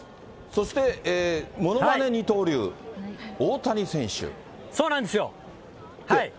そして、ものまね二刀流、大谷選そうなんですよ。